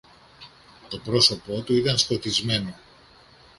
Το πρόσωπο του ήταν σκοτισμένο.